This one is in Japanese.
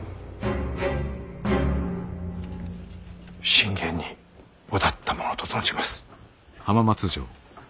信玄に渡ったものと存じます。